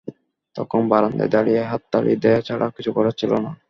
তখন বারান্দায় দাঁড়িয়ে হাততালি দেয়া ছাড়া কিছু করার ছিল না।